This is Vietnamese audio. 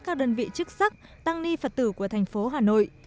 các đơn vị chức sắc tăng ni phật tử của thành phố hà nội